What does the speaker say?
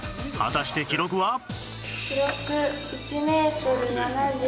果たして記録は？